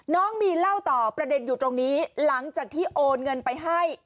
น้องมีนเล่าต่อประเด็นอยู่ตรงนี้หลังจากที่โอนเงินไปให้